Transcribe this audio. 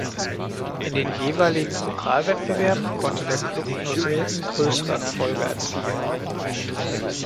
In den jeweiligen Pokalwettbewerben konnte der Klub nur selten größere Erfolge erzielen.